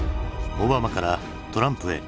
オバマからトランプへ。